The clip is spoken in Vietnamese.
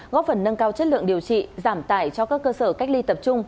góp phần nâng cao chất lượng điều trị giảm tải cho các cơ sở cách ly tập trung